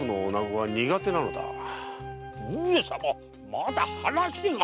まだ話が！